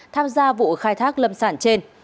tham gia vụ khai thác lâm sản trên